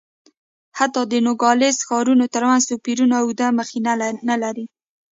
حتی د نوګالس ښارونو ترمنځ توپیرونه اوږده مخینه نه لري.